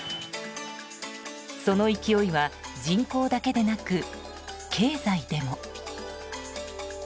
その勢いは人口だけでなく経済でも。